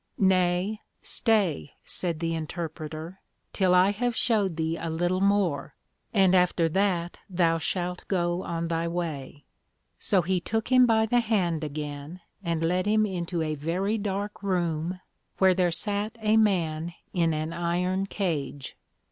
Nay, stay, said the Interpreter, till I have shewed thee a little more, and after that thou shalt go on thy way. So he took him by the hand again, and led him into a very dark room, where there sat a man in an Iron Cage.